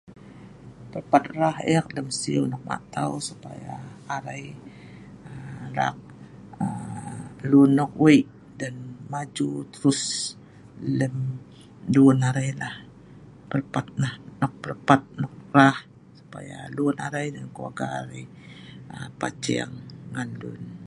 Pelpat rah eek lem siu nok ma tau yalah arai raang um lun nok wei' dut maju terus lem lun arai lah, pelpat nah nok pelpat rah supaya lun arai lun keluarga arai um paceng ngan lun